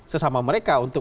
sesama mereka untuk